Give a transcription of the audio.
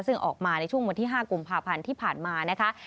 ซึ่งออกมาในช่วงวันที่๕กุมภาพันธ์ที่ผ่านมานะคะ